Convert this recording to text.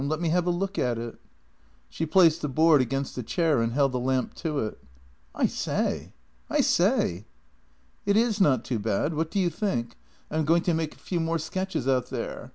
Let me have a look at it." She placed the board against a chair and held the lamp to it. " I say! I say! "" It is not too bad — what do you think? I am going to JENNY 49 make a few more sketches out there.